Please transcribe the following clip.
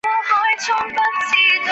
马甲经常和燕尾服等正装一并穿着。